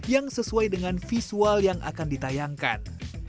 yang sesuai dengan visual yang akan ditayangkan